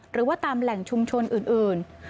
หรือว่าตามแหล่งชุมชนอื่น